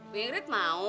bu ingrid mau